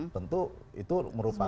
tentu itu merupakan